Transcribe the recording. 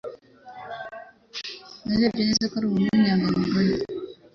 Narebye neza ko yari umuntu w'inyangamugayo.